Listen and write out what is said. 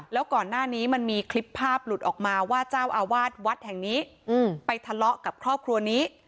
แล้วก่อนหน้านี้มันมีคลิปภาพหลุดออกมาว่าเจ้าอาวาสวัดแห่งนี้ไปทะเลาะกับครอบครัวนี้